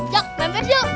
yuk naikin yuk